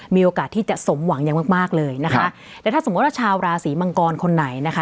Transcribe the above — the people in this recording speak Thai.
มีโอกาสที่จะสมหวังอย่างมากมากเลยนะคะและถ้าสมมุติว่าชาวราศีมังกรคนไหนนะคะ